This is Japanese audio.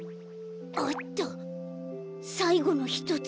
あったさいごのひとつ。